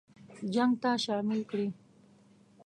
جنګ ته شامل کړي.